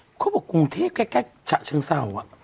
โอ้ยเขาบอกกรุงเทพฯใกล้ชะชั่งเศาะอ่ะ